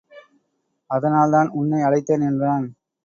அதனால்தான் உன்னை அழைத்தேன் என்றான்.